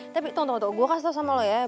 tapi tunggu tunggu gue kasih tau sama lo ya